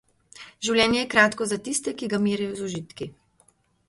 Življenje je kratko za tiste, ki ga merijo z užitki.